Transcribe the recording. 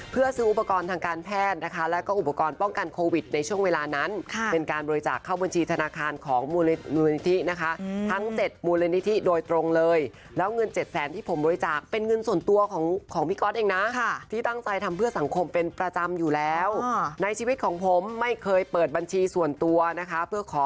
เพื่อซื้ออุปกรณ์ทางการแพทย์นะคะแล้วก็อุปกรณ์ป้องกันโควิดในช่วงเวลานั้นเป็นการบริจาคเข้าบัญชีธนาคารของมูลนิธินะคะทั้ง๗มูลนิธิโดยตรงเลยแล้วเงินเจ็ดแสนที่ผมบริจาคเป็นเงินส่วนตัวของของพี่ก๊อตเองนะที่ตั้งใจทำเพื่อสังคมเป็นประจำอยู่แล้วในชีวิตของผมไม่เคยเปิดบัญชีส่วนตัวนะคะเพื่อขอ